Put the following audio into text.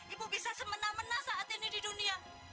ibu bisa semena mena saat ini di dunia